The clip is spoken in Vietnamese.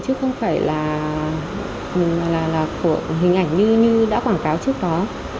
chứ không phải là của hình ảnh như đã quảng cáo trước đó